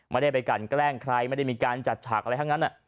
ไม่ได้ไปกันแกล้งใครไม่ได้มีการจัดฉากอะไรทั้งนั้น